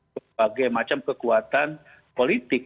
berbagai macam kekuatan politik